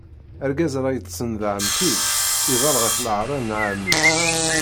Argaz ara yeṭṭṣen d ɛemmti-s, iḍall ɣef leɛra n ɛemmi-s.